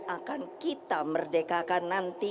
akan kita merdekakan nanti